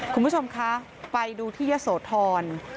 คุณผู้ชมคะไปดูที่ยะโสธร